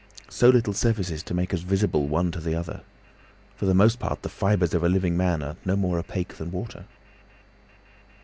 So little suffices to make us visible one to the other. For the most part the fibres of a living creature are no more opaque than water."